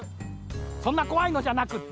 そんなこわいのじゃなくって。